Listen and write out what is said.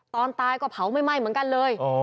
ตอนตายก็เผาไม่ไหม้เหมือนกันเลย